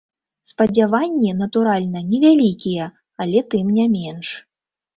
Спадзяванні, натуральна, невялікія, але, тым не менш.